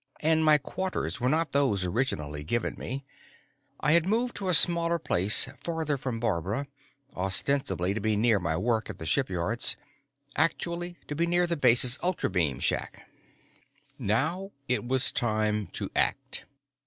And my quarters were not those originally given me. I had moved to a smaller place farther from Barbara, ostensibly to be near my work at the shipyards, actually to be near the base's ultrabeam shack. Now it was time to act.